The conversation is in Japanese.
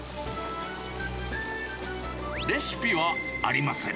レシピはありません。